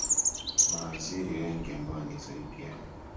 mawaziri wengi ambao ni zaidi ya